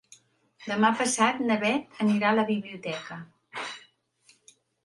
Demà passat na Bet anirà a la biblioteca.